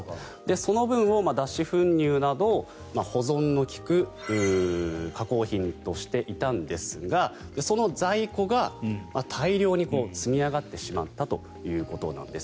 その分を脱脂粉乳など保存の利く加工品としていたんですがその在庫が大量に積み上がってしまったということなんです。